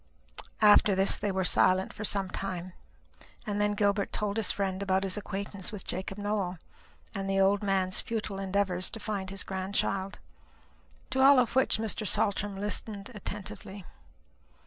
After this they were silent for some time, and then Gilbert told his friend about his acquaintance with Jacob Nowell, and the old man's futile endeavours to find his grandchild; to all of which Mr. Saltram listened attentively.